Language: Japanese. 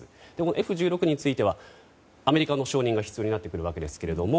Ｆ１６についてはアメリカの承認が必要になってくるわけですけども